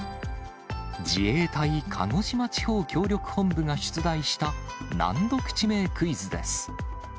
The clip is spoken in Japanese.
自衛隊鹿児島地方協力本部が出題した、難読地名クイズです。